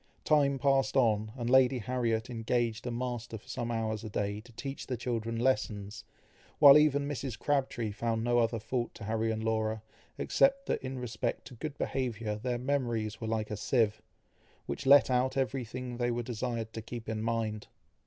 Time passed on, and Lady Harriet engaged a master for some hours a day to teach the children lessons, while even Mrs. Crabtree found no other fault to Harry and Laura, except that in respect to good behaviour their memories were like a sieve, which let out every thing they were desired to keep in mind.